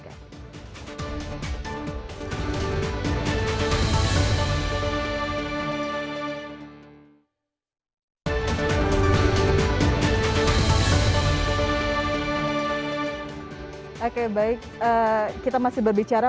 oke baik kita masih berbicara